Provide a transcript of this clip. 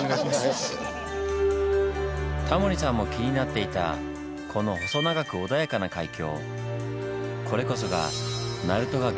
タモリさんも気になっていたこの細長く穏やかな海峡。